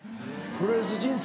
プロレス人生